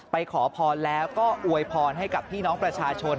ขอพรแล้วก็อวยพรให้กับพี่น้องประชาชน